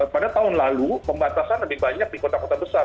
pada tahun lalu pembatasan lebih banyak di kota kota besar